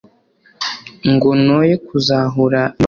ngo noye kuzahura n'imibabaro integereje